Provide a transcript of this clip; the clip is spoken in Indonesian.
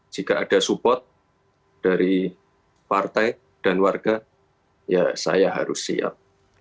jika ada support dari partai dan warga ya saya harus siap